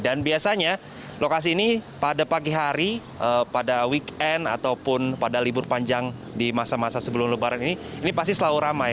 dan biasanya lokasi ini pada pagi hari pada weekend ataupun pada libur panjang di masa masa sebelum lebaran ini ini pasti selalu ramai